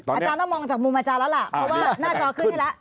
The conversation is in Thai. อาจารย์ต้องมองจากมุมอาจารย์แล้วล่ะเพราะว่าหน้าจอขึ้นให้แล้ว